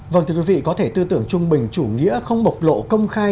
vâng thưa quý vị có thể tư tưởng trung bình chủ nghĩa không bộc lộ công khai